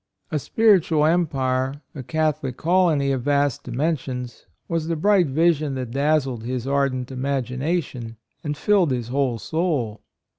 A spiritual empire — a Catholic colony of vast dimensions was the bright vision that dazzled his ar dent imagination and filled his whole soul.